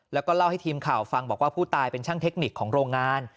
แล้วก็เล่าให้ทีมข่าวฟังบอกว่าผู้ตายเป็นช่างเทคนิคของโรงงาน